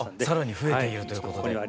更に増えているということで。